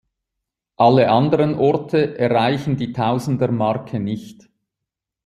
Alle anderen Orte erreichen die Tausender-Marke nicht.